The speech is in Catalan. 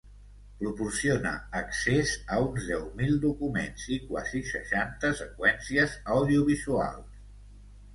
Proporciona accés a uns deu mil documents i quasi seixanta seqüències audiovisuals.